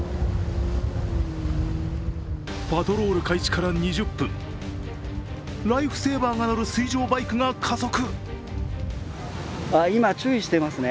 パトロール開始から２０分、ライフセーバーが乗る水上バイクが加速。